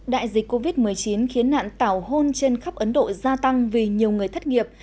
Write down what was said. đại dịch covid một mươi chín khiến nạn tảo hôn trên khắp ấn độ gia tăng vì nhiều người thất nghiệp